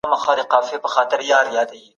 صحابياتو صدقې ورکړې.